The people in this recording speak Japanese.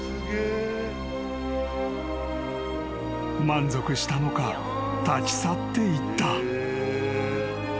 ［満足したのか立ち去っていった］